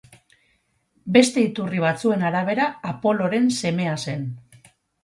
Beste iturri batzuen arabera, Apoloren semea zen.